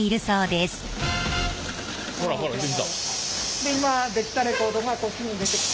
で今出来たレコードがこっちに出てきて。